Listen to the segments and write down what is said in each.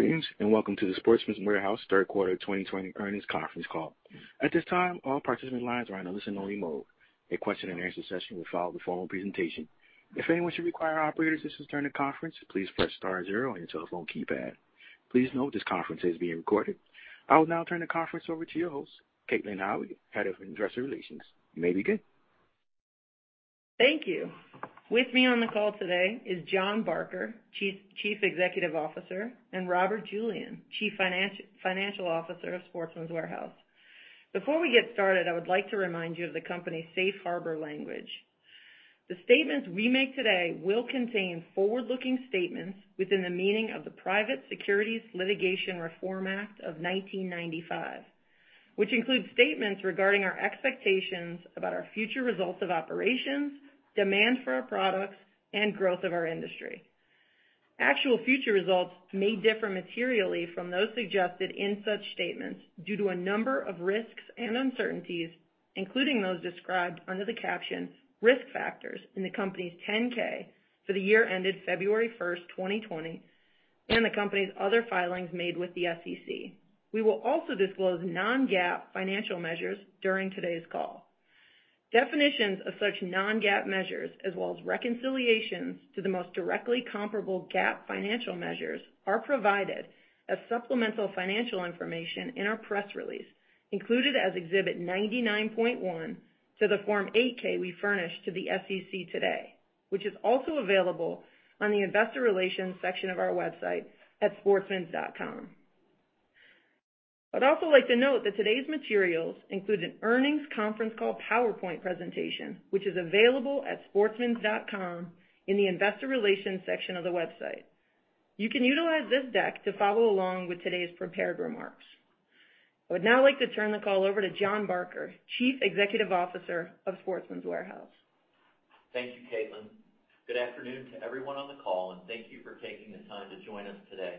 Greetings, and welcome to the Sportsman's Warehouse third quarter 2020 earnings conference call. At this time, all participant lines are in a listen-only mode. A question and answer session will follow the formal presentation. If anyone should require operator assistance during the conference, please press star zero on your telephone keypad. Please note this conference is being recorded. I will now turn the conference over to your host, Caitlin Howe, Head of Investor Relations. You may begin. Thank you. With me on the call today is Jon Barker, Chief Executive Officer, and Robert Julian, Chief Financial Officer of Sportsman's Warehouse. Before we get started, I would like to remind you of the company's safe harbor language. The statements we make today will contain forward-looking statements within the meaning of the Private Securities Litigation Reform Act of 1995, which includes statements regarding our expectations about our future results of operations, demand for our products, and growth of our industry. Actual future results may differ materially from those suggested in such statements due to a number of risks and uncertainties, including those described under the caption "Risk Factors" in the company's 10-K for the year ended February 1st, 2020, and the company's other filings made with the SEC. We will also disclose non-GAAP financial measures during today's call. Definitions of such non-GAAP measures, as well as reconciliations to the most directly comparable GAAP financial measures, are provided as supplemental financial information in our press release, included as Exhibit 99.1 to the Form 8-K we furnished to the SEC today, which is also available on the investor relations section of our website at sportsmans.com. I'd also like to note that today's materials include an earnings conference call PowerPoint presentation, which is available at sportsmans.com in the investor relations section of the website. You can utilize this deck to follow along with today's prepared remarks. I would now like to turn the call over to Jon Barker, Chief Executive Officer of Sportsman's Warehouse. Thank you, Caitlin. Good afternoon to everyone on the call, and thank you for taking the time to join us today.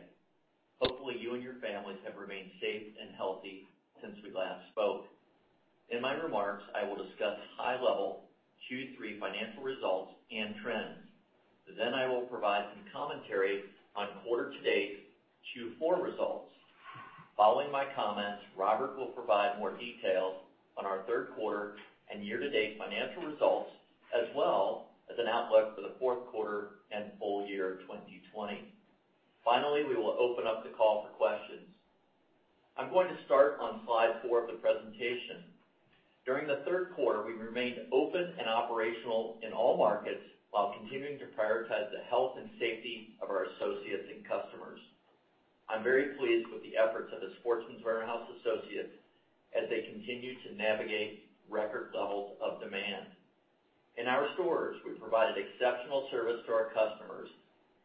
Hopefully, you and your families have remained safe and healthy since we last spoke. In my remarks, I will discuss high-level Q3 financial results and trends. I will provide some commentary on quarter-to-date Q4 results. Following my comments, Robert will provide more details on our third quarter and year-to-date financial results, as well as an outlook for the fourth quarter and full year 2020. We will open up the call for questions. I'm going to start on slide four of the presentation. During the third quarter, we remained open and operational in all markets while continuing to prioritize the health and safety of our associates and customers. I'm very pleased with the efforts of the Sportsman's Warehouse associates as they continue to navigate record levels of demand. In our stores, we provided exceptional service to our customers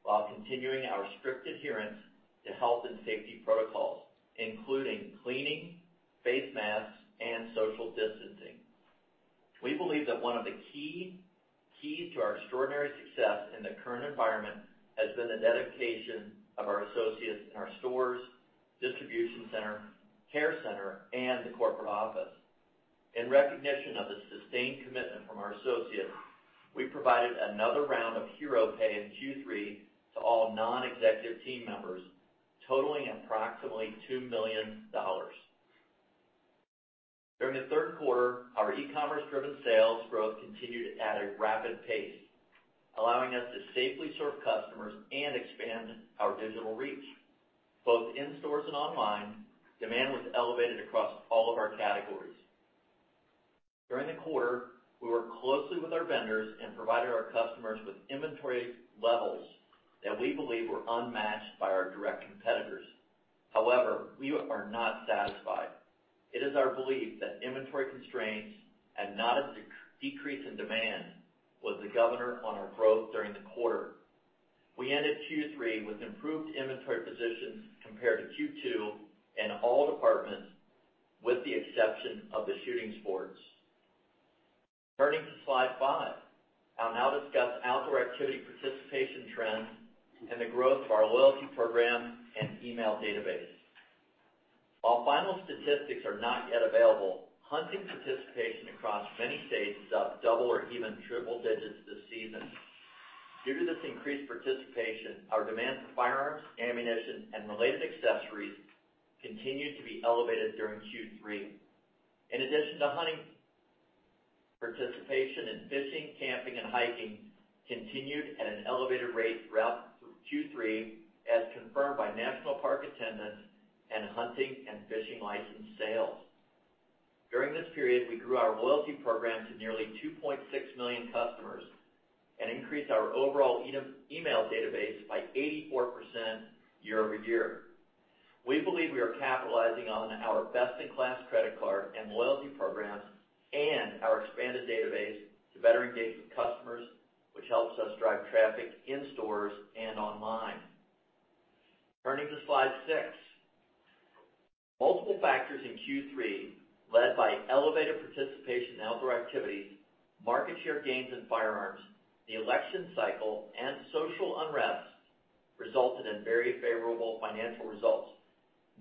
while continuing our strict adherence to health and safety protocols, including cleaning, face masks, and social distancing. We believe that one of the key to our extraordinary success in the current environment has been the dedication of our associates in our stores, distribution center, care center, and the corporate office. In recognition of the sustained commitment from our associates, we provided another round of hero pay in Q3 to all non-executive team members, totaling approximately $2 million. During the third quarter, our e-commerce driven sales growth continued at a rapid pace, allowing us to safely serve customers and expand our digital reach. Both in stores and online, demand was elevated across all of our categories. During the quarter, we worked closely with our vendors in providing our customers with inventory levels that we believe were unmatched by our direct competitors. However, we are not satisfied. It is our belief that inventory constraints and not a decrease in demand was the governor on our growth during the quarter. We ended Q3 with improved inventory positions compared to Q2 in all departments, with the exception of the shooting sports. Turning to slide five. I'll now discuss outdoor activity participation trends and the growth of our loyalty program and email database. While final statistics are not yet available, hunting participation across many states is up double or even triple digits this season. Due to this increased participation, our demand for firearms, ammunition, and related accessories continued to be elevated during Q3. In addition to hunting, participation in fishing, camping, and hiking continued at an elevated rate throughout Q3, as confirmed by national park attendance and hunting and fishing license sales. During this period, we grew our loyalty program to nearly 2.6 million customers and increased our overall email database by 84% year-over-year. We believe we are capitalizing on our best-in-class credit card and loyalty programs and our expanded database to better engage with customers, which helps us drive traffic in stores and online. Turning to slide six. Multiple factors in Q3, led by elevated participation in outdoor activities, market share gains in firearms, the election cycle, and social unrest, resulted in very favorable financial results.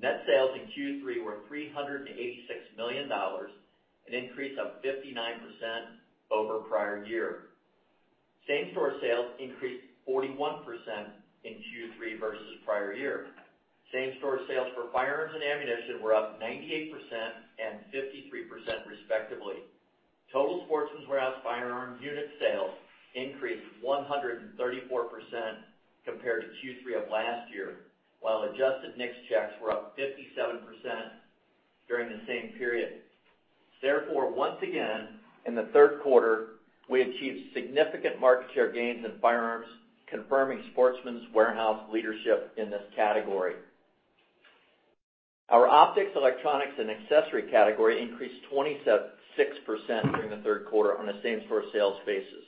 Net sales in Q3 were $386 million, an increase of 59% over prior year. Same-store sales increased 41% in Q3 versus prior year. Same-store sales for firearms and ammunition were up 98% and 53% respectively. Total Sportsman's Warehouse firearms unit sales increased 134% compared to Q3 of last year, while adjusted NICS checks were up 57% during the same period. Once again, in the third quarter, we achieved significant market share gains in firearms, confirming Sportsman's Warehouse leadership in this category. Our optics, electronics, and accessory category increased 26% during the third quarter on a same-store sales basis.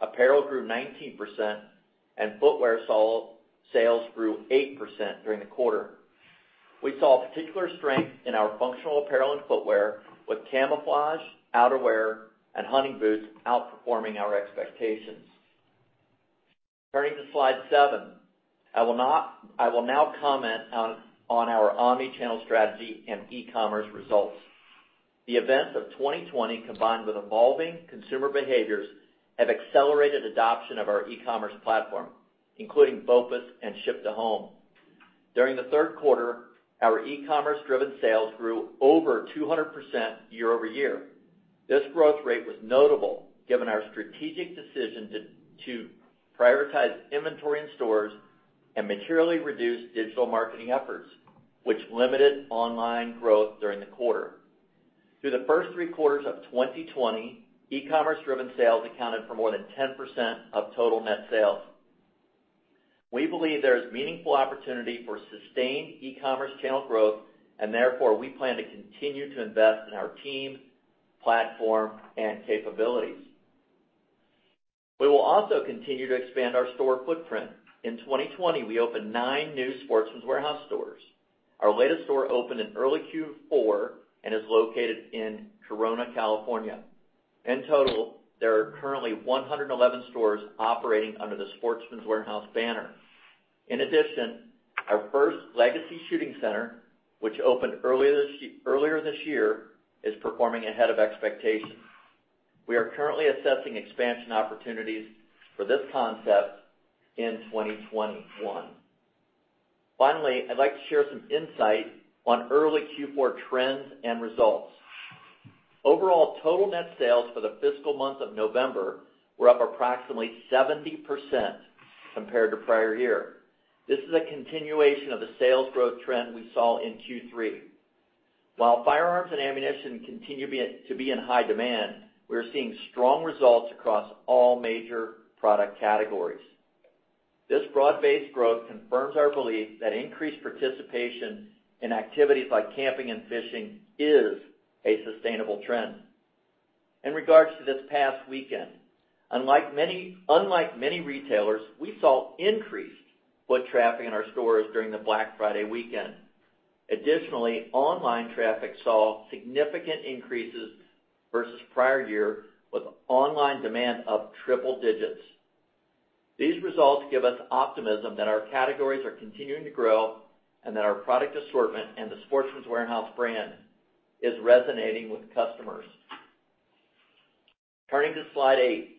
Apparel grew 19%, and footwear sales grew 8% during the quarter. We saw particular strength in our functional apparel and footwear with camouflage, outerwear, and hunting boots outperforming our expectations. Turning to slide seven. I will now comment on our omni-channel strategy and e-commerce results. The events of 2020, combined with evolving consumer behaviors, have accelerated adoption of our e-commerce platform, including BOPUS and ship to home. During the third quarter, our e-commerce driven sales grew over 200% year-over-year. This growth rate was notable given our strategic decision to prioritize inventory in stores and materially reduce digital marketing efforts, which limited online growth during the quarter. Through the first three quarters of 2020, e-commerce driven sales accounted for more than 10% of total net sales. We believe there is meaningful opportunity for sustained e-commerce channel growth, and therefore, we plan to continue to invest in our team, platform, and capabilities. We will also continue to expand our store footprint. In 2020, we opened nine new Sportsman's Warehouse stores. Our latest store opened in early Q4 and is located in Corona, California. In total, there are currently 111 stores operating under the Sportsman's Warehouse banner. In addition, our first Legacy Shooting Center, which opened earlier this year, is performing ahead of expectations. We are currently assessing expansion opportunities for this concept in 2021. Finally, I'd like to share some insight on early Q4 trends and results. Overall, total net sales for the fiscal month of November were up approximately 70% compared to prior year. This is a continuation of the sales growth trend we saw in Q3. While firearms and ammunition continue to be in high demand, we are seeing strong results across all major product categories. This broad-based growth confirms our belief that increased participation in activities like camping and fishing is a sustainable trend. In regards to this past weekend, unlike many retailers, we saw increased foot traffic in our stores during the Black Friday weekend. Additionally, online traffic saw significant increases versus prior year with online demand up triple digits. These results give us optimism that our categories are continuing to grow and that our product assortment and the Sportsman's Warehouse brand is resonating with customers. Turning to slide eight.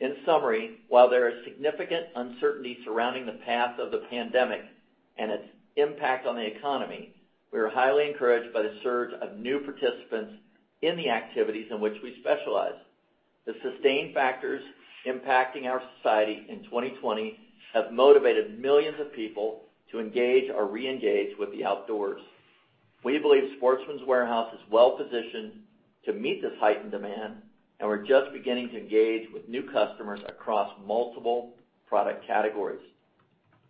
In summary, while there is significant uncertainty surrounding the path of the pandemic and its impact on the economy, we are highly encouraged by the surge of new participants in the activities in which we specialize. The sustained factors impacting our society in 2020 have motivated millions of people to engage or re-engage with the outdoors. We believe Sportsman's Warehouse is well-positioned to meet this heightened demand, and we're just beginning to engage with new customers across multiple product categories.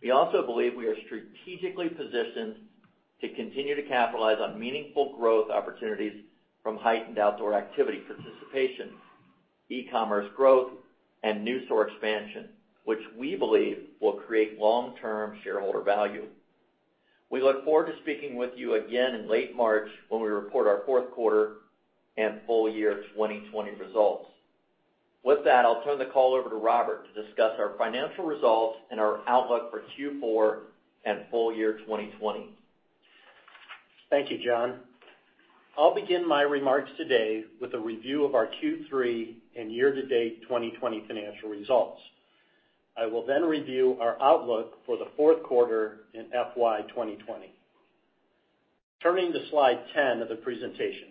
We also believe we are strategically positioned to continue to capitalize on meaningful growth opportunities from heightened outdoor activity participation, e-commerce growth, and new store expansion, which we believe will create long-term shareholder value. We look forward to speaking with you again in late March when we report our fourth quarter and full year 2020 results. With that, I'll turn the call over to Robert to discuss our financial results and our outlook for Q4 and full year 2020. Thank you, Jon. I'll begin my remarks today with a review of our Q3 and year-to-date 2020 financial results. I will review our outlook for the fourth quarter in fiscal year 2020. Turning to slide 10 of the presentation.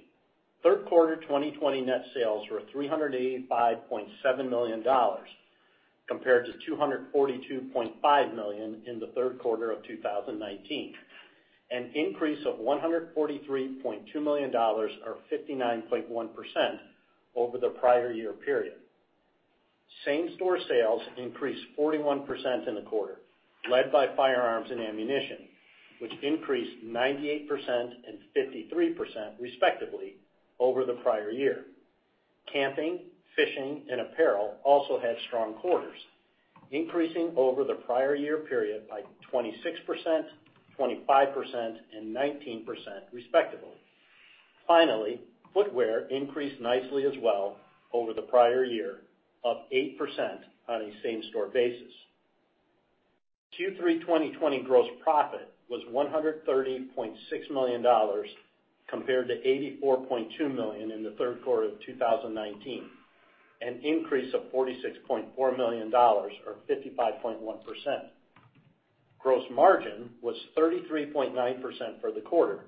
Third quarter 2020 net sales were $385.7 million compared to $242.5 million in the third quarter of 2019, an increase of $143.2 million or 59.1% over the prior year period. Same-store sales increased 41% in the quarter, led by firearms and ammunition, which increased 98% and 53% respectively over the prior year. Camping, fishing, and apparel also had strong quarters, increasing over the prior year period by 26%, 25%, and 19% respectively. Footwear increased nicely as well over the prior year, up 8% on a same-store basis. Q3 2020 gross profit was $130.6 million compared to $84.2 million in the third quarter of 2019, an increase of $46.4 million or 55.1%. Gross margin was 33.9% for the quarter,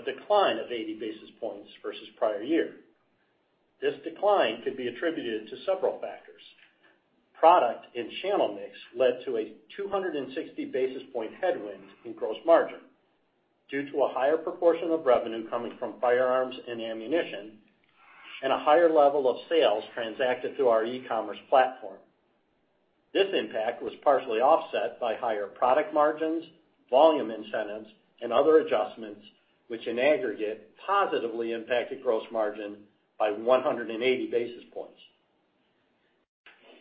a decline of 80 basis points versus prior year. This decline could be attributed to several factors. Product and channel mix led to a 260 basis point headwind in gross margin due to a higher proportion of revenue coming from firearms and ammunition and a higher level of sales transacted through our e-commerce platform. This impact was partially offset by higher product margins, volume incentives, and other adjustments, which in aggregate positively impacted gross margin by 180 basis points.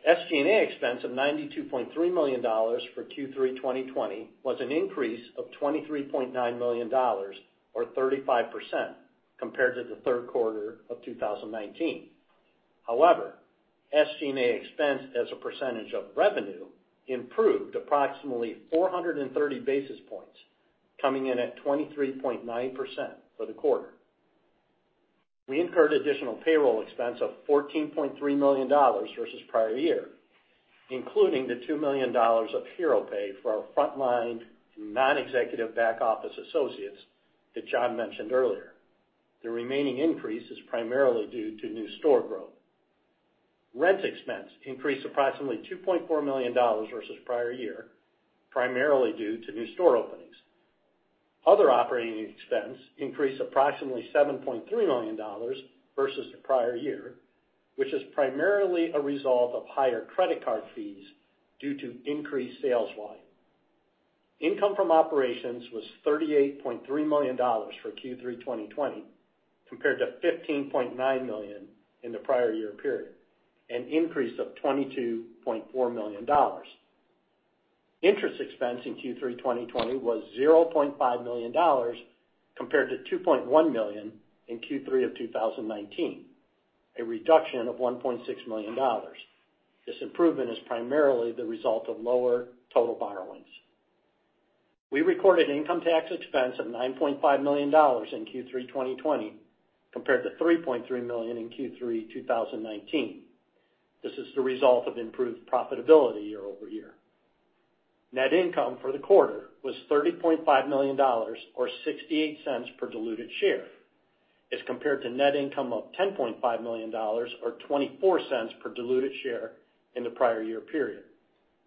SG&A expense of $92.3 million for Q3 2020 was an increase of $23.9 million or 35% compared to the third quarter of 2019. However, SG&A expense as a percentage of revenue improved approximately 430 basis points coming in at 23.9% for the quarter. We incurred additional payroll expense of $14.3 million versus prior year, including the $2 million of hero pay for our frontline non-executive back office associates that Jon mentioned earlier. The remaining increase is primarily due to new store growth. Rent expense increased approximately $2.4 million versus prior year, primarily due to new store openings. Other operating expense increased approximately $7.3 million versus the prior year, which is primarily a result of higher credit card fees due to increased sales volume. Income from operations was $38.3 million for Q3 2020 compared to $15.9 million in the prior year period, an increase of $22.4 million. Interest expense in Q3 2020 was $0.5 million compared to $2.1 million in Q3 of 2019, a reduction of $1.6 million. This improvement is primarily the result of lower total borrowings. We recorded income tax expense of $9.5 million in Q3 2020 compared to $3.3 million in Q3 2019. This is the result of improved profitability year-over-year. Net income for the quarter was $30.5 million or $0.68 per diluted share as compared to net income of $10.5 million or $0.24 per diluted share in the prior year period.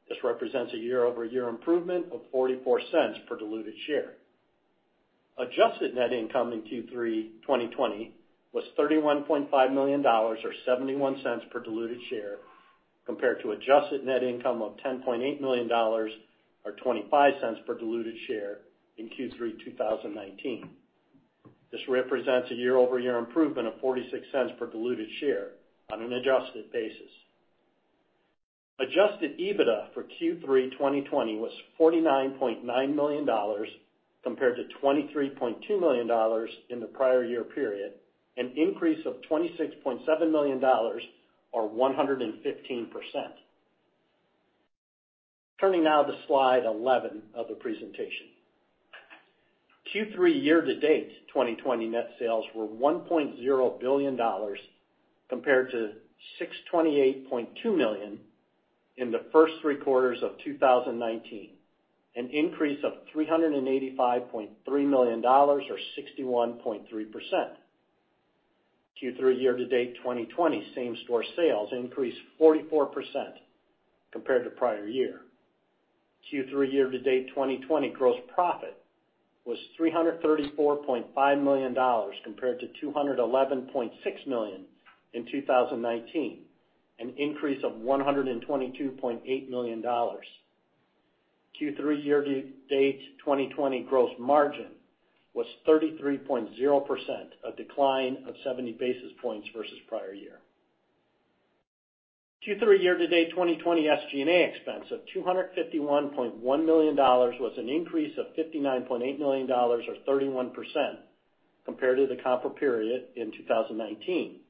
This represents a year-over-year improvement of $0.44 per diluted share. Adjusted net income in Q3 2020 was $31.5 million or $0.71 per diluted share compared to adjusted net income of $10.8 million or $0.25 per diluted share in Q3 2019. This represents a year-over-year improvement of $0.46 per diluted share on an adjusted basis. Adjusted EBITDA for Q3 2020 was $49.9 million compared to $23.2 million in the prior year period, an increase of $26.7 million or 115%. Turning now to slide 11 of the presentation. Q3 year to date 2020 net sales were $1.0 billion compared to $628.2 million in the first three quarters of 2019, an increase of $385.3 million or 61.3%. Q3 year to date 2020 same store sales increased 44% compared to prior year. Q3 year to date 2020 gross profit was $334.5 million compared to $211.6 million in 2019, an increase of $122.8 million. Q3 year to date 2020 gross margin was 33.0%, a decline of 70 basis points versus prior year. Q3 year to date 2020 SG&A expense of $251.1 million was an increase of $59.8 million or 31% compared to the comparable period in 2019.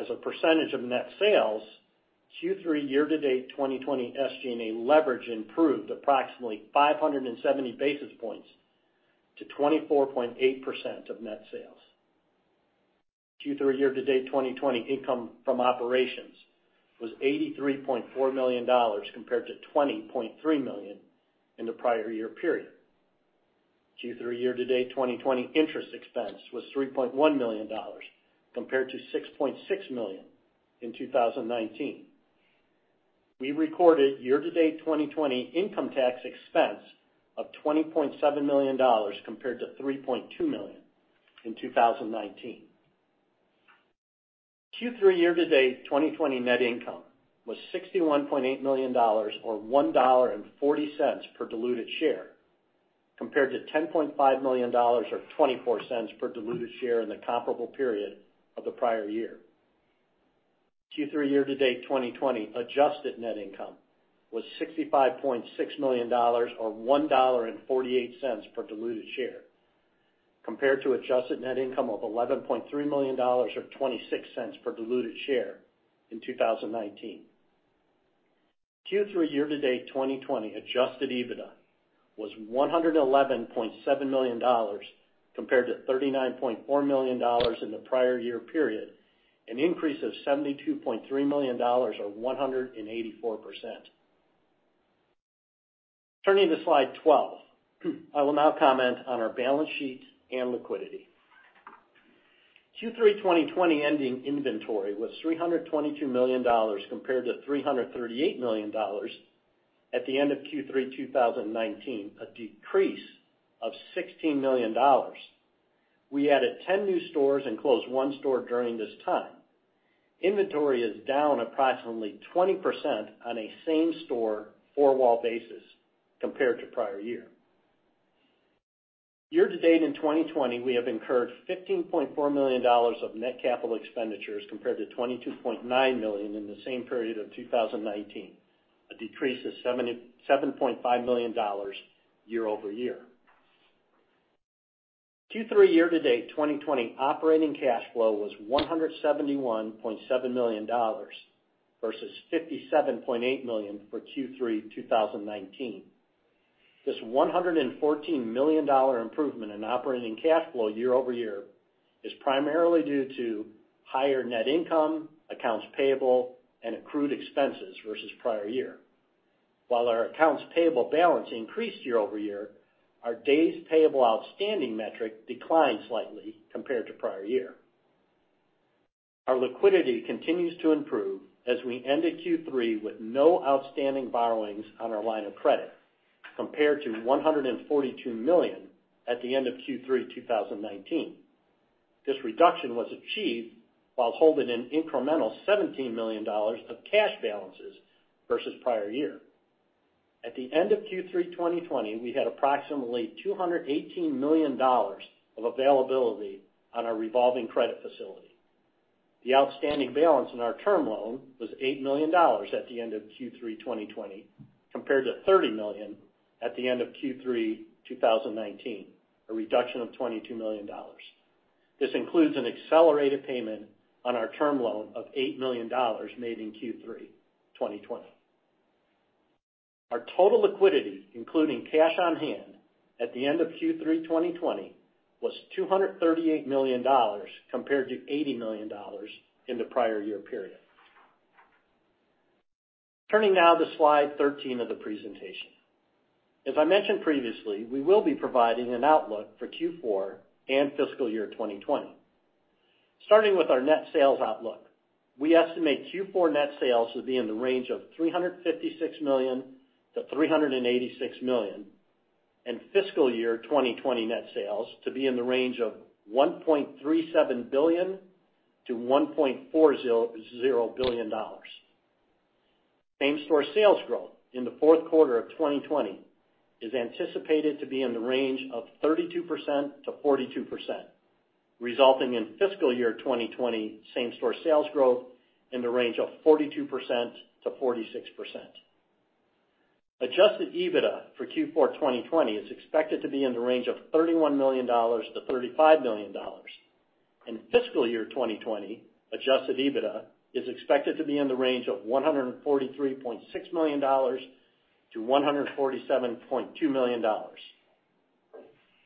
As a percentage of net sales, Q3 year to date 2020 SG&A leverage improved approximately 570 basis points to 24.8% of net sales. Q3 year to date 2020 income from operations was $83.4 million compared to $20.3 million in the prior year period. Q3 year to date 2020 interest expense was $3.1 million compared to $6.6 million in 2019. We recorded year to date 2020 income tax expense of $20.7 million compared to $3.2 million in 2019. Q3 year to date 2020 net income was $61.8 million or $1.40 per diluted share compared to $10.5 million or $0.24 per diluted share in the comparable period of the prior year. Q3 year to date 2020 adjusted net income was $65.6 million, or $1.48 per diluted share, compared to adjusted net income of $11.3 million, or $0.26 per diluted share in 2019. Q3 year to date 2020 adjusted EBITDA was $111.7 million, compared to $39.4 million in the prior year period, an increase of $72.3 million or 184%. Turning to slide 12. I will now comment on our balance sheet and liquidity. Q3 2020 ending inventory was $322 million, compared to $338 million at the end of Q3 2019, a decrease of $16 million. We added 10 new stores and closed one store during this time. Inventory is down approximately 20% on a same-store, four-wall basis compared to prior year. Year to date in 2020, we have incurred $15.4 million of net capital expenditures compared to $22.9 million in the same period of 2019, a decrease of $7.5 million year-over-year. Q3 year to date 2020 operating cash flow was $171.7 million versus $57.8 million for Q3 2019. This $114 million improvement in operating cash flow year-over-year is primarily due to higher net income, accounts payable, and accrued expenses versus prior year. While our accounts payable balance increased year-over-year, our days payable outstanding metric declined slightly compared to prior year. Our liquidity continues to improve as we ended Q3 with no outstanding borrowings on our line of credit compared to $142 million at the end of Q3 2019. This reduction was achieved while holding an incremental $17 million of cash balances versus prior year. At the end of Q3 2020, we had approximately $218 million of availability on our revolving credit facility. The outstanding balance in our term loan was $8 million at the end of Q3 2020, compared to $30 million at the end of Q3 2019, a reduction of $22 million. This includes an accelerated payment on our term loan of $8 million made in Q3 2020. Our total liquidity, including cash on hand at the end of Q3 2020, was $238 million, compared to $80 million in the prior year period. Turning now to slide 13 of the presentation. As I mentioned previously, we will be providing an outlook for Q4 and fiscal year 2020. Starting with our net sales outlook, we estimate Q4 net sales to be in the range of $356 million-$386 million, and fiscal year 2020 net sales to be in the range of $1.37 billion-$1.40 billion. Same-store sales growth in the fourth quarter of 2020 is anticipated to be in the range of 32%-42%, resulting in fiscal year 2020 same-store sales growth in the range of 42%-46%. Adjusted EBITDA for Q4 2020 is expected to be in the range of $31 million-$35 million, and fiscal year 2020 adjusted EBITDA is expected to be in the range of $143.6 million-$147.2 million.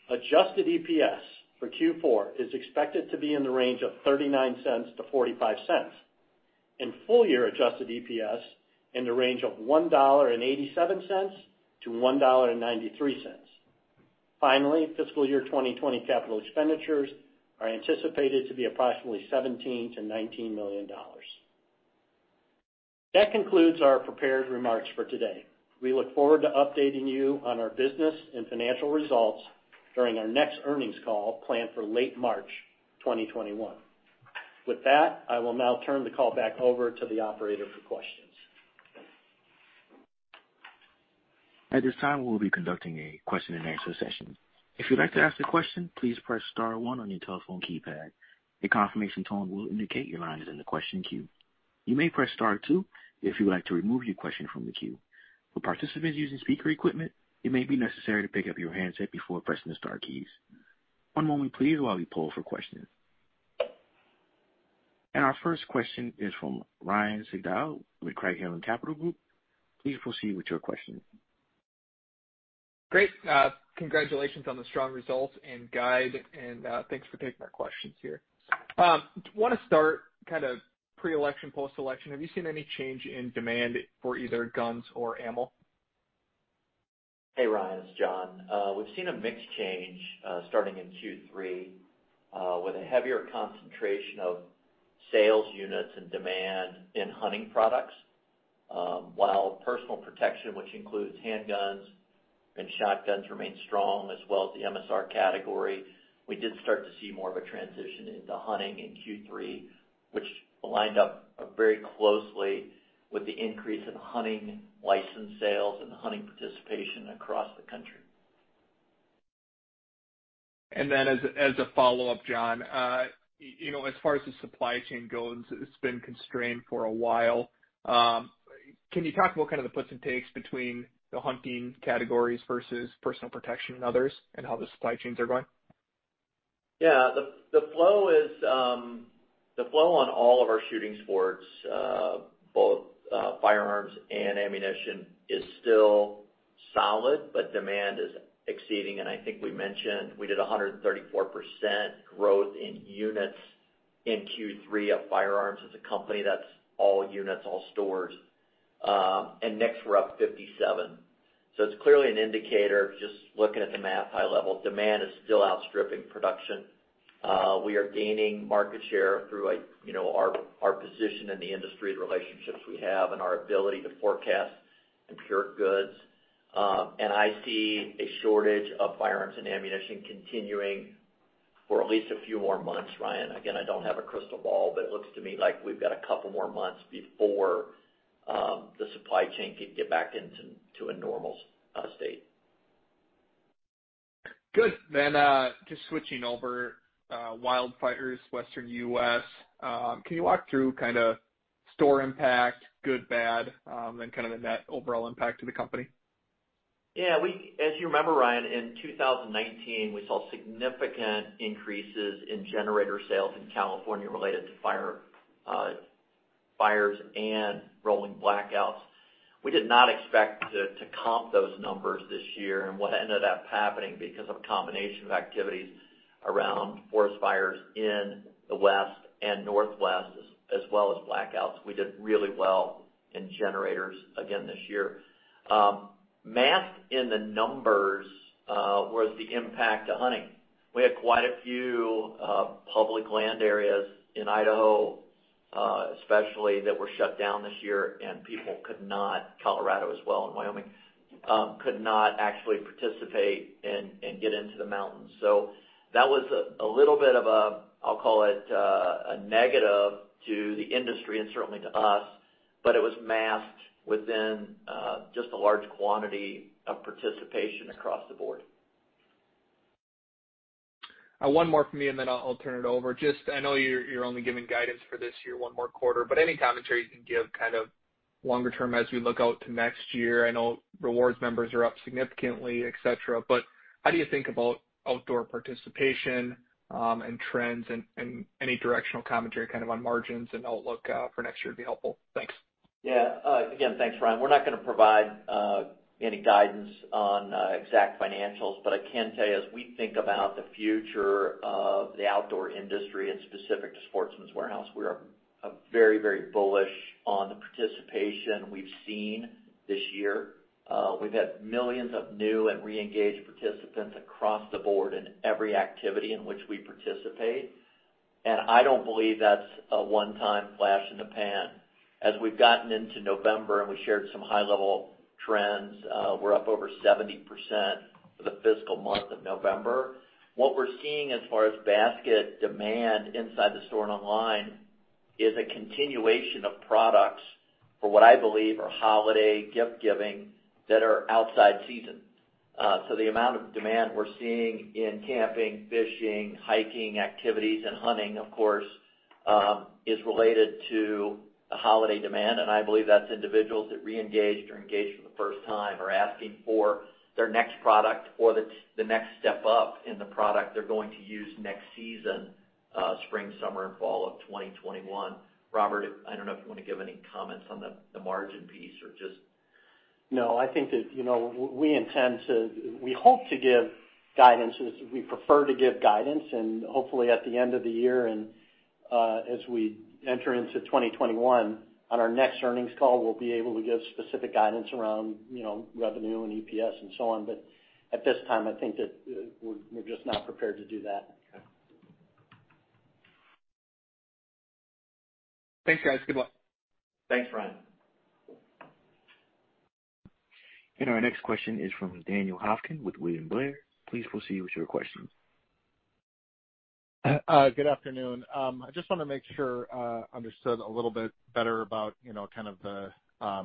Adjusted EPS for Q4 is expected to be in the range of $0.39-$0.45, and full year adjusted EPS in the range of $1.87-$1.93. Finally, fiscal year 2020 capital expenditures are anticipated to be approximately $17 million-$19 million. That concludes our prepared remarks for today. We look forward to updating you on our business and financial results during our next earnings call planned for late March 2021. With that, I will now turn the call back over to the operator for questions. At this time, we'll be conducting a question and answer session. If you'd like to ask a question, please press star one on your telephone keypad. A confirmation tone will indicate your line is in the question queue. You may press star two if you would like to remove your question from the queue. For participants using speaker equipment, it may be necessary to pick up your handset before pressing the star keys. One moment please while we poll for questions. Our first question is from Ryan Sigdahl with Craig-Hallum Capital Group. Please proceed with your question. Great. Congratulations on the strong results and guide. Thanks for taking our questions here. I want to start kind of pre-election, post-election. Have you seen any change in demand for either guns or ammo? Hey, Ryan, it's Jon. We've seen a mixed change starting in Q3 with a heavier concentration of sales units and demand in hunting products. While personal protection, which includes handguns and shotguns, remain strong, as well as the MSR category, we did start to see more of a transition into hunting in Q3, which lined up very closely with the increase in hunting license sales and hunting participation across the country. As a follow-up, Jon, as far as the supply chain goes, it's been constrained for a while. Can you talk about the puts and takes between the hunting categories versus personal protection and others, and how the supply chains are going? Yeah. The flow on all of our shooting sports, both firearms and ammunition, is still solid, but demand is exceeding. I think we mentioned we did 134% growth in units in Q3 of firearms as a company. That's all units, all stores. In NICS, we're up 57%. It's clearly an indicator, just looking at the math, high level, demand is still outstripping production. We are gaining market share through our position in the industry, the relationships we have, and our ability to forecast and procure goods. I see a shortage of firearms and ammunition continuing for at least a few more months, Ryan. Again, I don't have a crystal ball, but it looks to me like we've got a couple more months before the supply chain can get back into a normal state. Good. Just switching over, wildfires, Western U.S. Can you walk through store impact, good, bad, the net overall impact to the company? Yeah. As you remember, Ryan, in 2019, we saw significant increases in generator sales in California related to fires and rolling blackouts. We did not expect to comp those numbers this year. What ended up happening, because of a combination of activities around forest fires in the West and Northwest, as well as blackouts, we did really well in generators again this year. Masked in the numbers was the impact to hunting. We had quite a few public land areas in Idaho, especially, that were shut down this year, and people, Colorado as well, and Wyoming, could not actually participate and get into the mountains. That was a little bit of a, I'll call it, a negative to the industry and certainly to us, but it was masked within just the large quantity of participation across the board. One more from me, then I'll turn it over. Just, I know you're only giving guidance for this year, one more quarter, any commentary you can give longer-term as we look out to next year. I know rewards members are up significantly, et cetera. How do you think about outdoor participation and trends and any directional commentary on margins and outlook for next year would be helpful. Thanks. Again, thanks, Ryan. We're not going to provide any guidance on exact financials, but I can tell you, as we think about the future of the outdoor industry and specific to Sportsman's Warehouse, we are very bullish on the participation we've seen this year. We've had millions of new and reengaged participants across the board in every activity in which we participate. I don't believe that's a one-time flash in the pan. As we've gotten into November and we shared some high-level trends, we're up over 70% for the fiscal month of November. What we're seeing as far as basket demand inside the store and online is a continuation of products for what I believe are holiday gift-giving that are outside season. The amount of demand we're seeing in camping, fishing, hiking activities, and hunting, of course, is related to the holiday demand. I believe that's individuals that reengaged or engaged for the first time are asking for their next product or the next step up in the product they're going to use next season, spring, summer, and fall of 2021. Robert, I don't know if you want to give any comments on the margin piece or just. I think that we hope to give guidance as we prefer to give guidance, and hopefully, at the end of the year and as we enter into 2021, on our next earnings call, we'll be able to give specific guidance around revenue and EPS and so on. At this time, I think that we're just not prepared to do that. Okay. Thanks, guys. Good luck. Thanks, Ryan. Our next question is from Daniel Hopkins with William Blair. Please proceed with your question. Good afternoon. I just want to make sure I understood a little bit better about, and I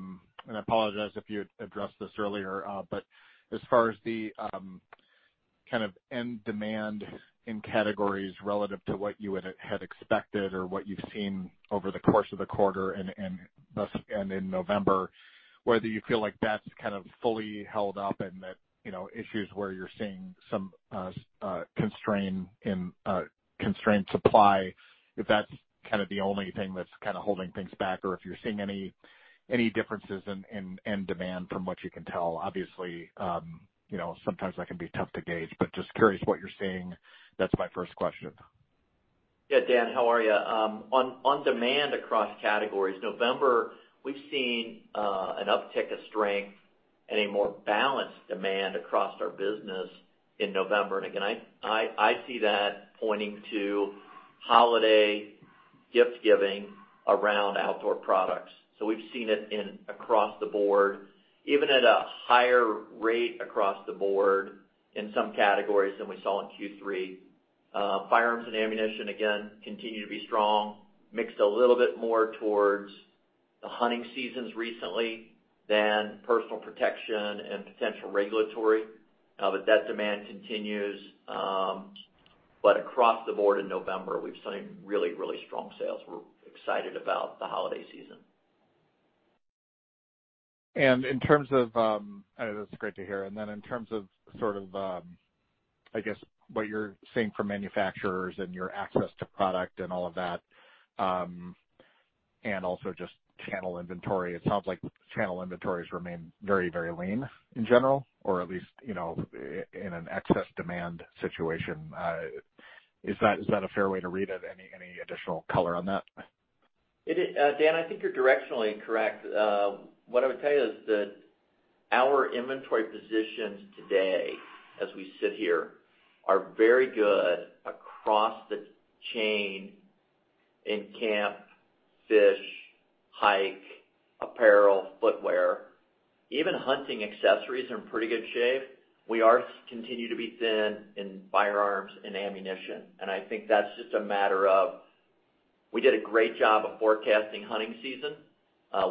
apologize if you addressed this earlier, as far as the end demand in categories relative to what you had expected or what you've seen over the course of the quarter and in November, whether you feel like that's fully held up and that issues where you're seeing some constrained supply, if that's the only thing that's holding things back or if you're seeing any differences in end demand from what you can tell. Obviously, sometimes that can be tough to gauge, but just curious what you're seeing. That's my first question. Yeah. Daniel, how are you? On demand across categories, November, we've seen an uptick of strength and a more balanced demand across our business in November. Again, I see that pointing to holiday gift-giving around outdoor products. We've seen it across the board, even at a higher rate across the board in some categories than we saw in Q3. Firearms and ammunition, again, continue to be strong, mixed a little bit more towards the hunting seasons recently, then personal protection and potential regulatory. That demand continues. Across the board in November, we've seen really strong sales. We're excited about the holiday season. That's great to hear. In terms of, I guess, what you're seeing from manufacturers and your access to product and all of that, and also just channel inventory, it sounds like channel inventories remain very lean in general, or at least, in an excess demand situation. Is that a fair way to read it? Any additional color on that? Daniel, I think you're directionally correct. What I would tell you is that our inventory positions today, as we sit here, are very good across the chain in camp, fish, hike, apparel, footwear. Even hunting accessories are in pretty good shape. We are continue to be thin in firearms and ammunition. I think that's just a matter of, we did a great job of forecasting hunting season.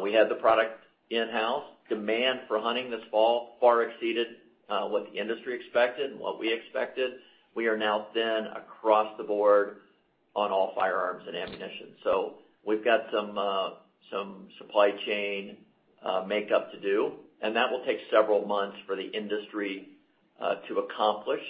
We had the product in-house. Demand for hunting this fall far exceeded what the industry expected and what we expected. We are now thin across the board on all firearms and ammunition. We've got some supply chain makeup to do, and that will take several months for the industry to accomplish.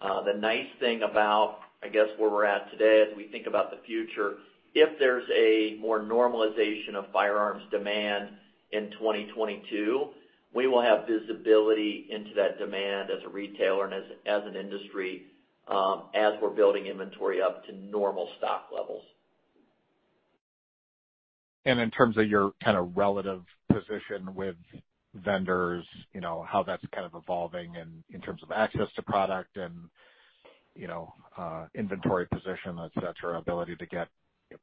The nice thing about, I guess, where we're at today, as we think about the future, if there's a more normalization of firearms demand in 2022, we will have visibility into that demand as a retailer and as an industry, as we're building inventory up to normal stock levels. In terms of your kind of relative position with vendors, how that's kind of evolving and in terms of access to product and inventory position, et cetera, ability to get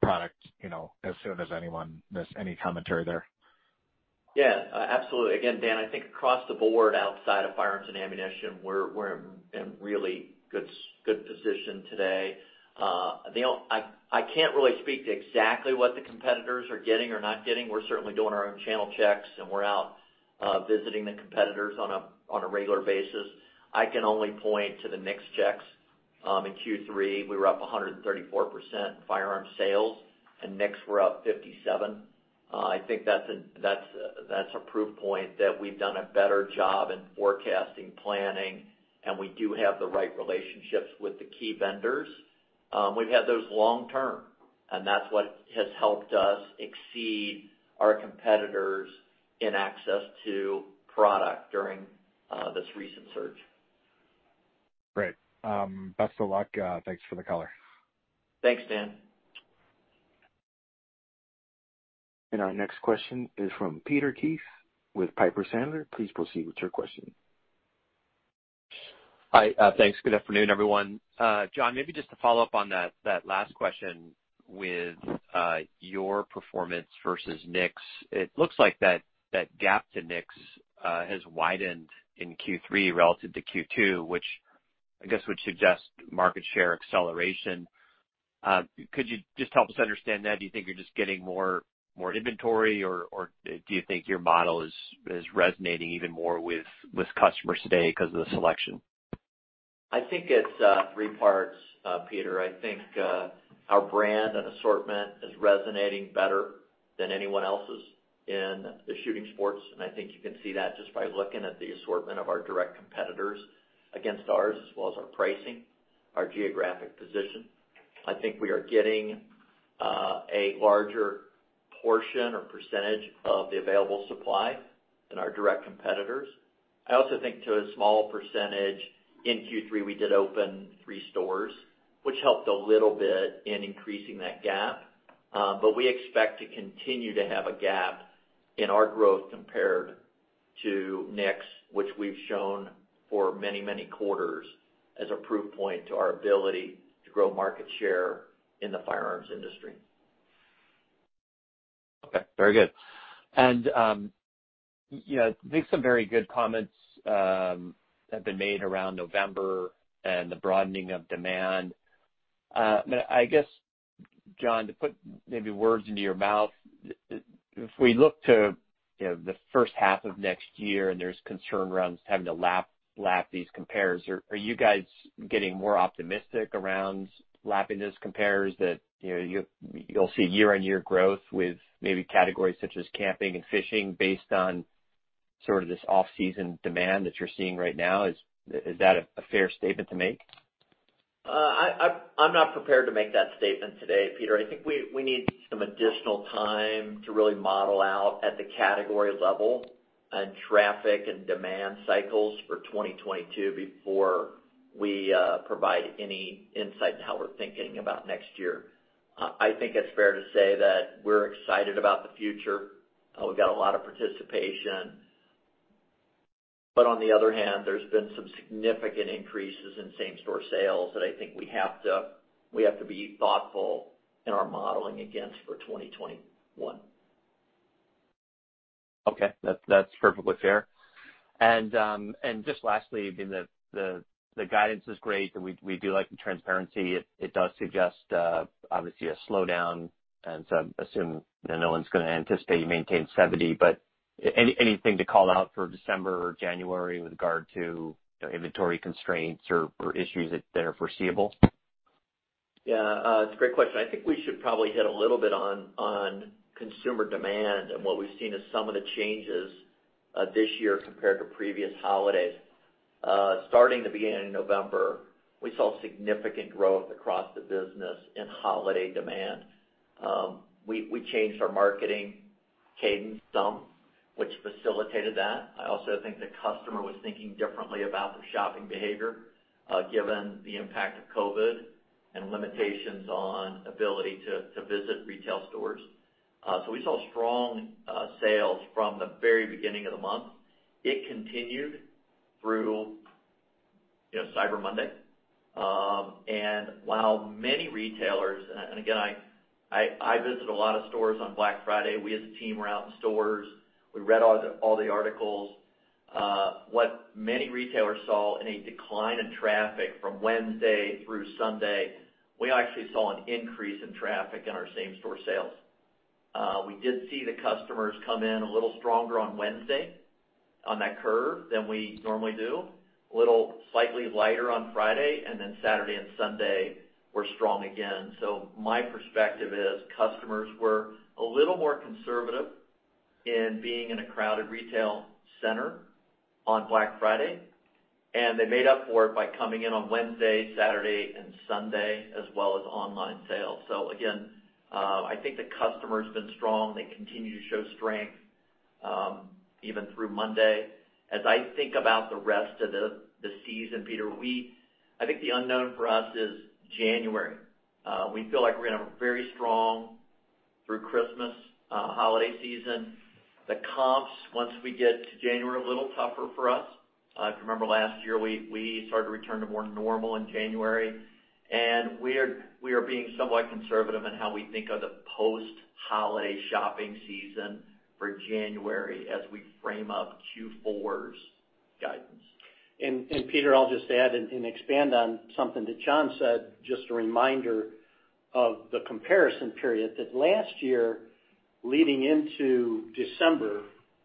product as soon as anyone. Any commentary there? Yeah. Absolutely. Again, Daniel, I think across the board, outside of firearms and ammunition, we're in really good position today. I can't really speak to exactly what the competitors are getting or not getting. We're certainly doing our own channel checks, and we're out visiting the competitors on a regular basis. I can only point to the NICS checks. In Q3, we were up 134% in firearm sales, and NICS were up 57%. I think that's a proof point that we've done a better job in forecasting, planning, and we do have the right relationships with the key vendors. We've had those long-term, and that's what has helped us exceed our competitors in access to product during this recent surge. Great. Best of luck. Thanks for the color. Thanks, Daniel. Our next question is from Peter Keith with Piper Sandler. Please proceed with your question. Hi. Thanks. Good afternoon, everyone. Jon, maybe just to follow up on that last question with your performance versus NICS. It looks like that gap to NICS has widened in Q3 relative to Q2, which I guess would suggest market share acceleration. Could you just help us understand that? Do you think you're just getting more inventory, or do you think your model is resonating even more with customers today because of the selection? I think it's three parts, Peter. I think our brand and assortment is resonating better than anyone else's in the shooting sports, and I think you can see that just by looking at the assortment of our direct competitors against ours as well as our pricing, our geographic position. I think we are getting a larger portion or percentage of the available supply than our direct competitors. I also think to a small percentage in Q3, we did open three stores, which helped a little bit in increasing that gap. We expect to continue to have a gap in our growth compared to NICS, which we've shown for many quarters as a proof point to our ability to grow market share in the firearms industry. Okay. Very good. I think some very good comments have been made around November and the broadening of demand. I guess, Jon, to put maybe words into your mouth, if we look to the first half of next year and there's concern around having to lap these compares, are you guys getting more optimistic around lapping those compares that you'll see year-over-year growth with maybe categories such as camping and fishing based on sort of this off-season demand that you're seeing right now? Is that a fair statement to make? I'm not prepared to make that statement today, Peter. I think we need some additional time to really model out at the category level and traffic and demand cycles for 2022 before we provide any insight into how we're thinking about next year. I think it's fair to say that we're excited about the future. We've got a lot of participation. On the other hand, there's been some significant increases in same-store sales that I think we have to be thoughtful in our modeling against for 2021. Okay. That's perfectly fair. Just lastly, the guidance is great, and we do like the transparency. It does suggest, obviously, a slowdown. I assume no one's going to anticipate you maintain 70%. Anything to call out for December or January with regard to inventory constraints or issues that are foreseeable? Yeah. It's a great question. I think we should probably hit a little bit on consumer demand and what we've seen as some of the changes this year compared to previous holidays. Starting the beginning of November, we saw significant growth across the business in holiday demand. We changed our marketing cadence some, which facilitated that. I also think the customer was thinking differently about their shopping behavior, given the impact of COVID and limitations on ability to visit retail stores. We saw strong sales from the very beginning of the month. It continued through Cyber Monday. While many retailers-- and again, I visit a lot of stores on Black Friday. We, as a team, were out in stores. We read all the articles. What many retailers saw in a decline in traffic from Wednesday through Sunday, we actually saw an increase in traffic in our same-store sales. We did see the customers come in a little stronger on Wednesday on that curve than we normally do. A little slightly lighter on Friday, then Saturday and Sunday were strong again. My perspective is customers were a little more conservative in being in a crowded retail center on Black Friday, and they made up for it by coming in on Wednesday, Saturday and Sunday, as well as online sales. Again, I think the customer's been strong. They continue to show strength, even through Monday. As I think about the rest of the season, Peter, I think the unknown for us is January. We feel like we're going to have a very strong through Christmas holiday season. The comps, once we get to January, a little tougher for us. If you remember last year, we started to return to more normal in January. We are being somewhat conservative in how we think of the post-holiday shopping season for January as we frame up Q4's guidance. Peter, I'll just add and expand on something that Jon said, just a reminder of the comparison period that last year, leading into December,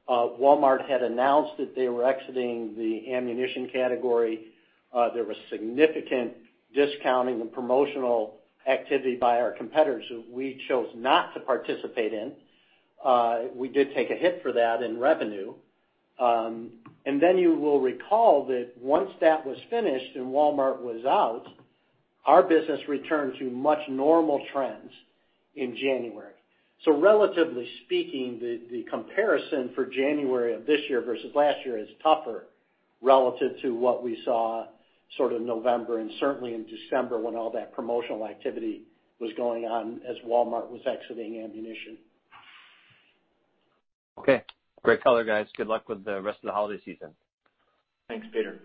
Walmart had announced that they were exiting the ammunition category. There was significant discounting and promotional activity by our competitors that we chose not to participate in. We did take a hit for that in revenue. You will recall that once that was finished and Walmart was out, our business returned to much normal trends in January. Relatively speaking, the comparison for January of this year versus last year is tougher relative to what we saw sort of November and certainly in December when all that promotional activity was going on as Walmart was exiting ammunition. Okay. Great color, guys. Good luck with the rest of the holiday season. Thanks, Peter.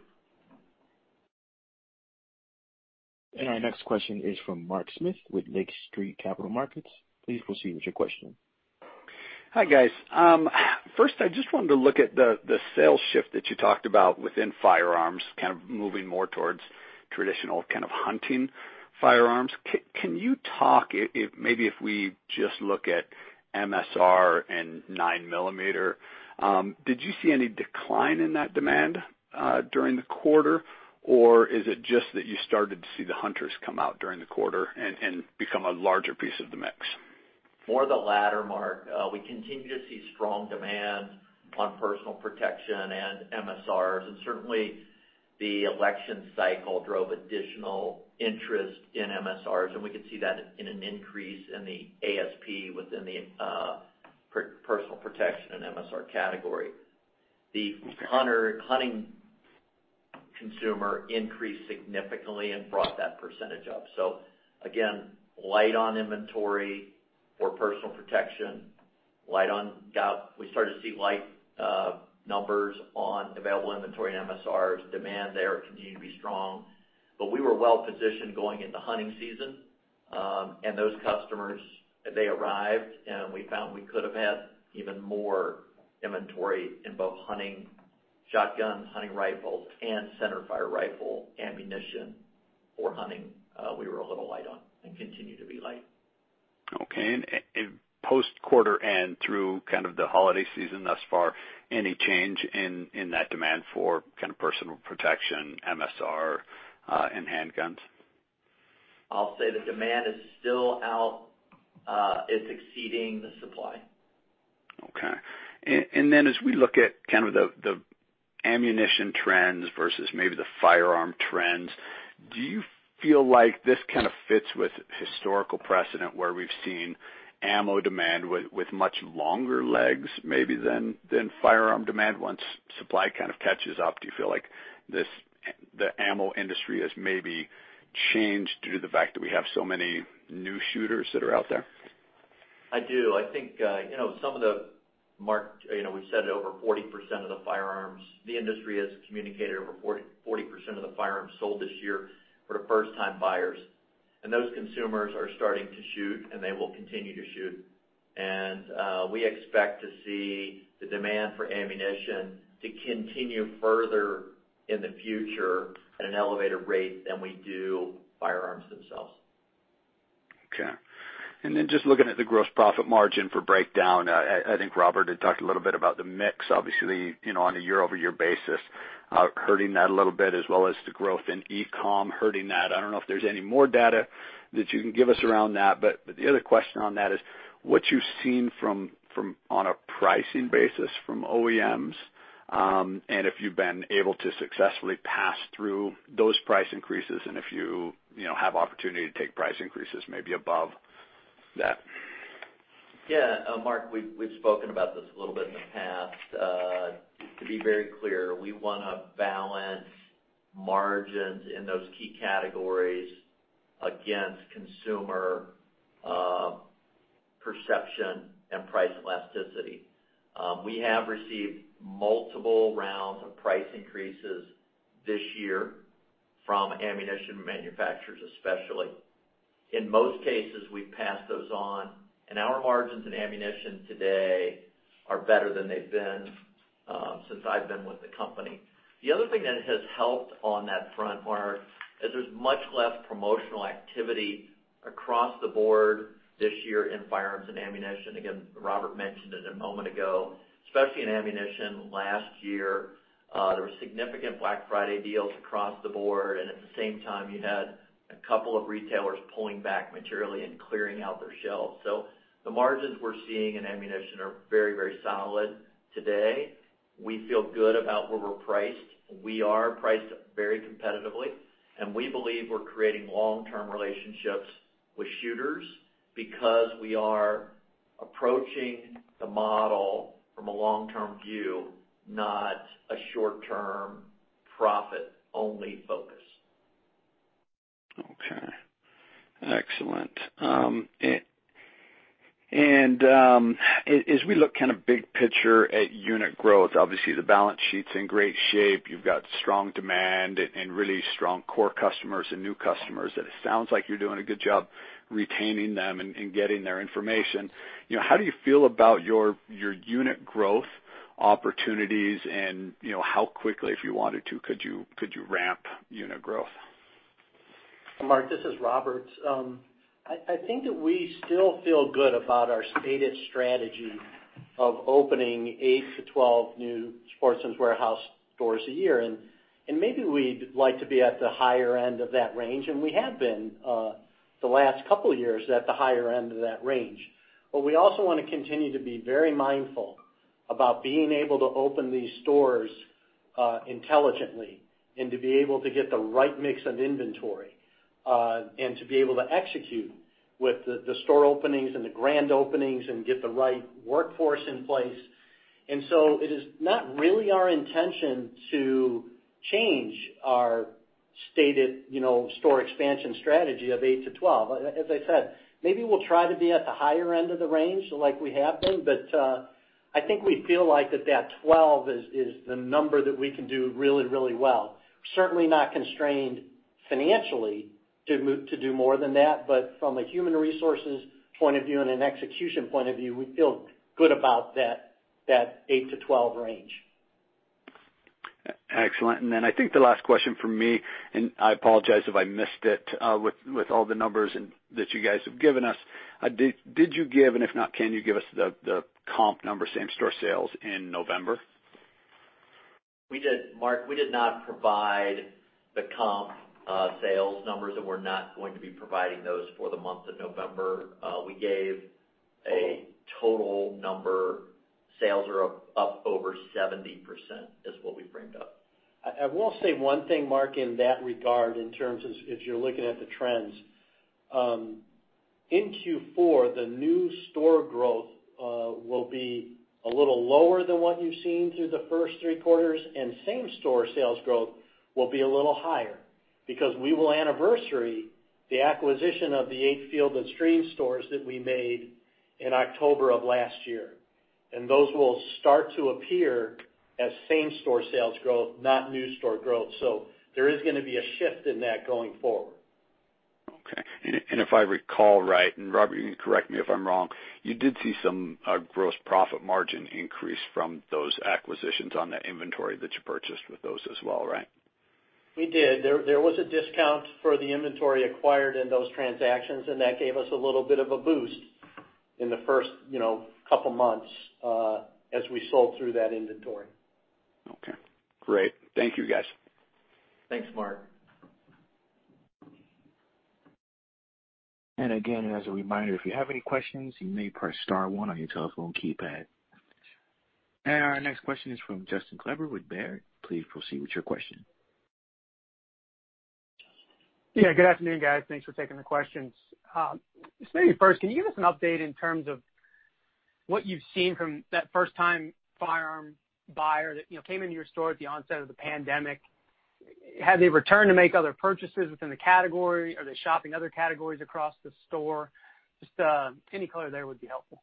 Our next question is from Mark Smith with Lake Street Capital Markets. Please proceed with your question. Hi, guys. First, I just wanted to look at the sales shift that you talked about within firearms, kind of moving more towards traditional kind of hunting firearms. Can you talk, maybe if we just look at MSR and 9mm, did you see any decline in that demand during the quarter? Or is it just that you started to see the hunters come out during the quarter and become a larger piece of the mix? More the latter, Mark. We continue to see strong demand on personal protection and MSRs, and certainly the election cycle drove additional interest in MSRs, and we could see that in an increase in the ASP within the personal protection and MSR category. The hunting consumer increased significantly and brought that percentage up. Again, light on inventory for personal protection. We started to see light numbers on available inventory and MSRs. Demand there continued to be strong. We were well positioned going into hunting season. Those customers, they arrived, and we found we could have had even more inventory in both hunting shotguns, hunting rifles, and centerfire rifle ammunition for hunting. We were a little light on and continue to be light. Okay. Post quarter and through kind of the holiday season thus far, any change in that demand for kind of personal protection, MSR, and handguns? I'll say the demand is still exceeding the supply. Okay. As we look at kind of the ammunition trends versus maybe the firearm trends, do you feel like this kind of fits with historical precedent where we've seen ammo demand with much longer legs maybe than firearm demand once supply kind of catches up? Do you feel like the ammo industry has maybe changed due to the fact that we have so many new shooters that are out there? I do. Mark, the industry has communicated over 40% of the firearms sold this year were to first-time buyers. Those consumers are starting to shoot, and they will continue to shoot. We expect to see the demand for ammunition to continue further in the future at an elevated rate than we do firearms themselves. Just looking at the gross profit margin for breakdown, I think Robert had talked a little bit about the mix, obviously, on a year-over-year basis, hurting that a little bit, as well as the growth in e-com hurting that. I don't know if there's any more data that you can give us around that. The other question on that is what you've seen on a pricing basis from OEMs, and if you've been able to successfully pass through those price increases, and if you have opportunity to take price increases maybe above that. Mark, we've spoken about this a little bit in the past. To be very clear, we want to balance margins in those key categories against consumer perception and price elasticity. We have received multiple rounds of price increases this year from ammunition manufacturers, especially. In most cases, we've passed those on, and our margins in ammunition today are better than they've been since I've been with the company. The other thing that has helped on that front, Mark, is there's much less promotional activity across the board this year in firearms and ammunition. Again, Robert mentioned it a moment ago, especially in ammunition last year, there were significant Black Friday deals across the board, and at the same time, you had a couple of retailers pulling back materially and clearing out their shelves. The margins we're seeing in ammunition are very solid today. We feel good about where we're priced. We are priced very competitively, and we believe we're creating long-term relationships with shooters because we are approaching the model from a long-term view, not a short-term profit-only focus. Okay. Excellent. As we look big picture at unit growth, obviously the balance sheet's in great shape. You've got strong demand and really strong core customers and new customers. It sounds like you're doing a good job retaining them and getting their information. How do you feel about your unit growth opportunities and how quickly, if you wanted to, could you ramp unit growth? Mark, this is Robert. I think that we still feel good about our stated strategy of opening 8-12 new Sportsman's Warehouse stores a year. Maybe we'd like to be at the higher end of that range. We also want to continue to be very mindful about being able to open these stores intelligently and to be able to get the right mix of inventory, and to be able to execute with the store openings and the grand openings and get the right workforce in place. It is not really our intention to change our stated store expansion strategy of 8-12. As I said, maybe we'll try to be at the higher end of the range like we have been, but I think we feel like that 12 is the number that we can do really well. Certainly not constrained financially to do more than that, but from a human resources point of view and an execution point of view, we feel good about that eight to 12 range. Excellent. I think the last question from me, and I apologize if I missed it with all the numbers that you guys have given us. Did you give, and if not, can you give us the comp number, same-store sales in November? Mark, we did not provide the comp sales numbers. We're not going to be providing those for the month of November. We gave a total number. Sales are up over 70%, is what we framed up. I will say one thing, Mark, in that regard, in terms if you're looking at the trends. In Q4, the new store growth will be a little lower than what you've seen through the first three quarters, and same-store sales growth will be a little higher because we will anniversary the acquisition of the eight Field & Stream stores that we made in October of last year. Those will start to appear as same-store sales growth, not new store growth. There is going to be a shift in that going forward. Okay. If I recall right, and Robert, you can correct me if I'm wrong, you did see some gross profit margin increase from those acquisitions on the inventory that you purchased with those as well, right? We did. There was a discount for the inventory acquired in those transactions, and that gave us a little bit of a boost in the first couple of months as we sold through that inventory. Okay, great. Thank you, guys. Thanks, Mark. Again, as a reminder, if you have any questions, you may press star one on your telephone keypad. Our next question is from Justin Kleber with Baird. Please proceed with your question. Yeah. Good afternoon, guys. Thanks for taking the questions. Maybe first, can you give us an update in terms of what you've seen from that first-time firearm buyer that came into your store at the onset of the pandemic? Have they returned to make other purchases within the category? Are they shopping other categories across the store? Just any color there would be helpful.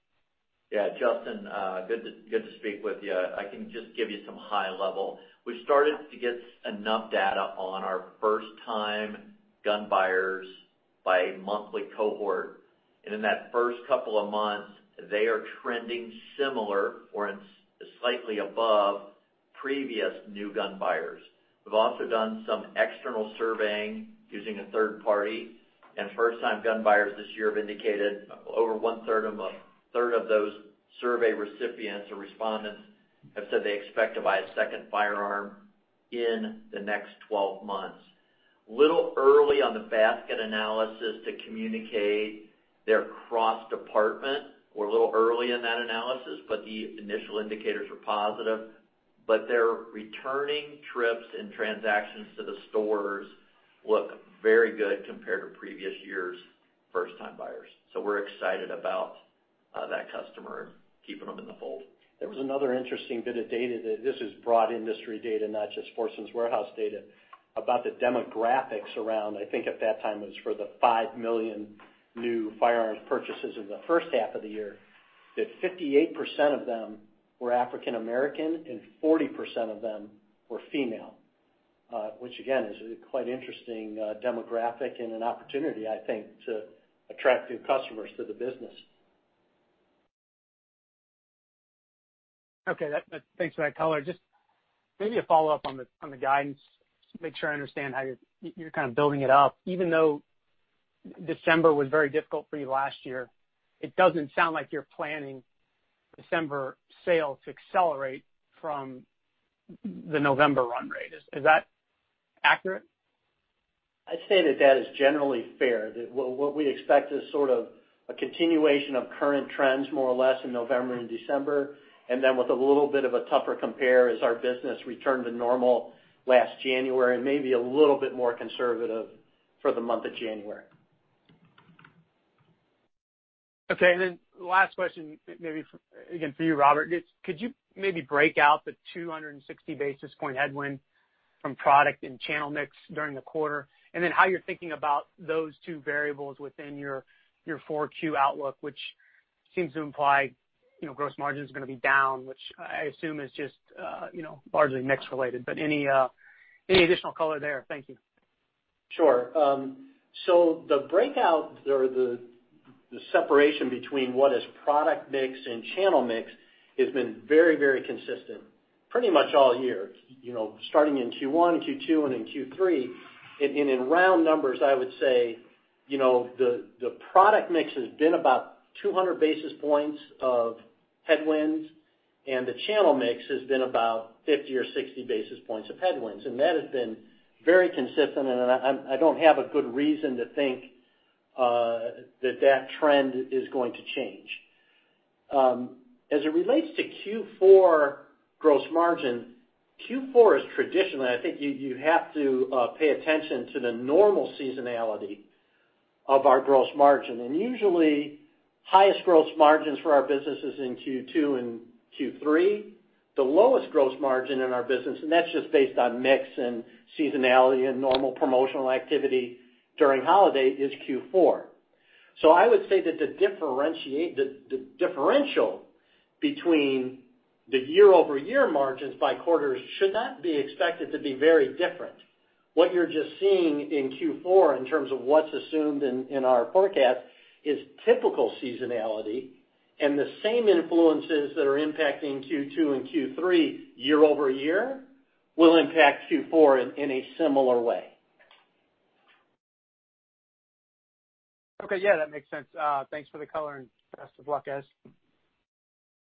Yeah, Justin, good to speak with you. I can just give you some high level. We've started to get enough data on our first-time gun buyers by monthly cohort. In that first couple of months, they are trending similar or slightly above previous new gun buyers. We've also done some external surveying using a third party, and first-time gun buyers this year have indicated over one-third of those survey recipients or respondents have said they expect to buy a second firearm in the next 12 months. It's a little early on the basket analysis to communicate their cross-department. We're a little early in that analysis, but the initial indicators are positive. Their returning trips and transactions to the stores look very good compared to previous years' first-time buyers. We're excited about that customer, keeping them in the fold. There was another interesting bit of data, this is broad industry data, not just Sportsman's Warehouse data, about the demographics around, I think, at that time it was for the 5 million new firearms purchases in the first half of the year, that 58% of them were African American and 40% of them were female, which again, is a quite interesting demographic and an opportunity, I think, to attract new customers to the business. Okay. Thanks for that color. Just maybe a follow-up on the guidance to make sure I understand how you're kind of building it up. Even though December was very difficult for you last year, it doesn't sound like you're planning December sale to accelerate from the November run rate. Is that accurate? I'd say that is generally fair. What we expect is sort of a continuation of current trends, more or less, in November and December, and then with a little bit of a tougher compare as our business returned to normal last January, and maybe a little bit more conservative for the month of January. Okay, last question maybe, again, for you, Robert. Could you maybe break out the 260 basis point headwind from product and channel mix during the quarter, how you're thinking about those two variables within your 4Q outlook, which seems to imply gross margin is going to be down, which I assume is just largely mix related. Any additional color there? Thank you. Sure. The breakout or the separation between what is product mix and channel mix has been very consistent pretty much all year. Starting in Q1, Q2, and in Q3. In round numbers, I would say, the product mix has been about 200 basis points of headwinds, and the channel mix has been about 50 or 60 basis points of headwinds. That has been very consistent, and I don't have a good reason to think that trend is going to change. As it relates to Q4 gross margin, Q4 is traditionally, I think you have to pay attention to the normal seasonality of our gross margin. Usually, highest gross margins for our business is in Q2 and Q3. The lowest gross margin in our business, and that's just based on mix and seasonality and normal promotional activity during holiday, is Q4. I would say that the differential between the year-over-year margins by quarters should not be expected to be very different. What you're just seeing in Q4 in terms of what's assumed in our forecast is typical seasonality, and the same influences that are impacting Q2 and Q3 year-over-year will impact Q4 in a similar way. Okay. Yeah, that makes sense. Thanks for the color and best of luck, guys.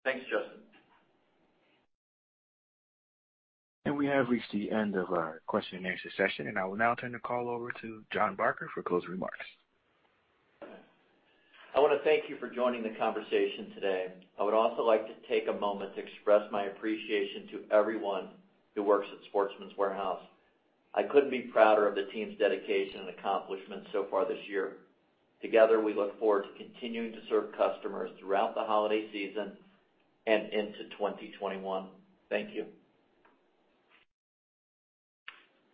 Thanks, Justin. We have reached the end of our question and answer session, and I will now turn the call over to Jon Barker for closing remarks. I want to thank you for joining the conversation today. I would also like to take a moment to express my appreciation to everyone who works at Sportsman's Warehouse. I couldn't be prouder of the team's dedication and accomplishments so far this year. Together, we look forward to continuing to serve customers throughout the holiday season and into 2021. Thank you.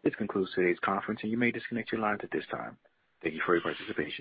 This concludes today's conference, and you may disconnect your lines at this time. Thank you for your participation.